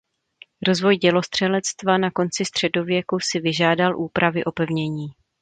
Rozvoj dělostřelectva na konci středověku si vyžádal úpravy opevnění.